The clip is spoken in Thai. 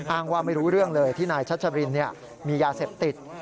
อ้างว่าไม่รู้เรื่องเลยที่นายชัชรินมียาเสพติด